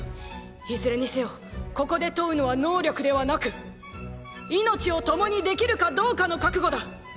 いずれにせよここで問うのは能力ではなく命を共にできるかどうかの覚悟だ！